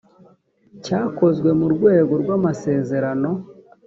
cyakozwe mu rwego rw amasezerano